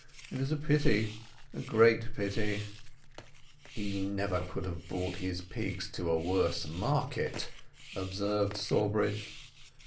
It is a pity, a great pity " "He never could have brought his pigs to a worse market," observed Sawbridge.